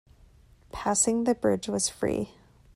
Passing the bridge was free.